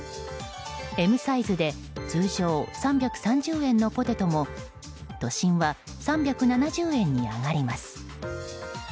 Ｍサイズで通常３３０円のポテトも都心は３７０円に上がります。